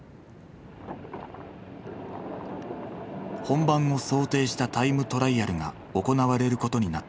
本番を想定したタイムトライアルが行われることになった。